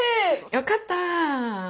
よかった！